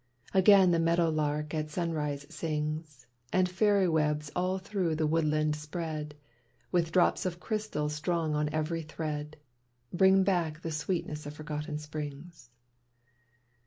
Again the meadow lark at sunrise sings, And fairy webs all through the wood land spread, With drops of crystal strung on every thread, Bring back the sweetness of forgotten Springs.